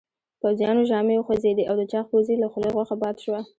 پوځيانو ژامې وخوځېدې او د چاغ پوځي له خولې غوښه باد شوه.